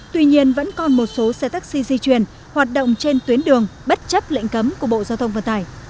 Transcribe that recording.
tuy nhiên vẫn còn một số xe taxi di chuyển hoạt động trên tuyến đường bất chấp lệnh cấm của bộ giao thông vận tải